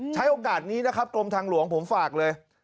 ใช้โอกาสนี้นะครับกรมทางหลวงผมฝากเลย